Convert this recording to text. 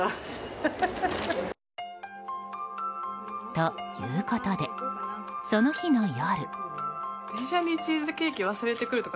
ということで、その日の夜。